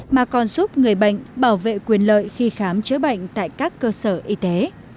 mà còn giúp người bệnh bảo vệ quyền lợi khi khám chữa bệnh tại các cơ sở y tế